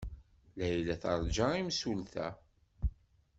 Layla teṛja imsulta.